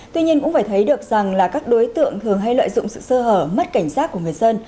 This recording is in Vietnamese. tuy nhiên cũng phải thấy được rằng là các đối tượng thường hay lợi dụng sự sơ hở mất cảnh giác của người dân